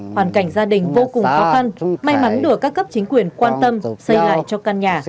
hoàn cảnh gia đình vô cùng khó khăn may mắn được các cấp chính quyền quan tâm xây lại cho căn nhà